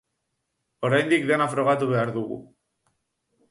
Oraindik dena frogatu behar dugu.